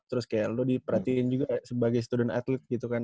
terus kayak lu diperhatiin juga sebagai student athlete gitu kan